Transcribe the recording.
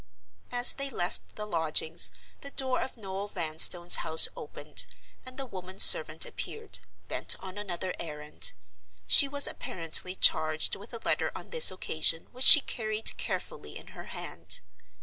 As they left the lodgings, the door of Noel Vanstone's house opened, and the woman servant appeared, bent on another errand. She was apparently charged with a letter on this occasion which she carried carefully in her hand.